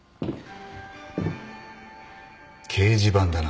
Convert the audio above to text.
掲示板だな？